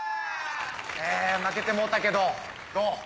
え負けてもうたけどどう？